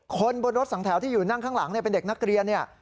คนบนรถสองแถวที่อยู่นั่งข้างหลังเป็นเด็กนักเรียนเนี่ย